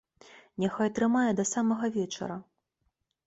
Няхай трымае да самага вечара!